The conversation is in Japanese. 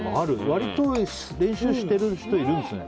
割と練習してる人いるんですね。